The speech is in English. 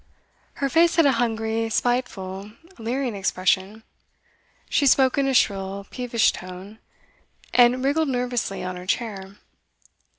Her face had a hungry, spiteful, leering expression; she spoke in a shrill, peevish tone, and wriggled nervously on her chair.